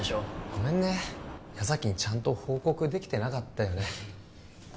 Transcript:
ごめんね矢崎にちゃんと報告できてなかったよね